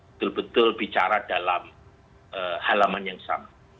betul betul bicara dalam halaman yang sama